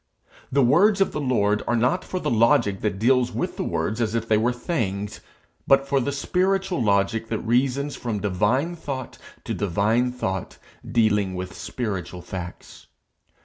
The words of the Lord are not for the logic that deals with words as if they were things; but for the spiritual logic that reasons from divine thought to divine thought, dealing with spiritual facts.